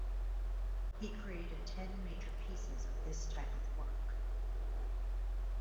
He created ten major pieces of this type of work.